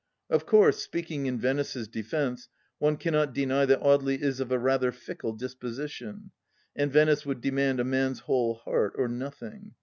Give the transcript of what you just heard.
Of course, speaking in Venice's defence, one cannot deny that Audely is of a rather fickle disposition ; and Venice would demand a man's whole heart or nothing.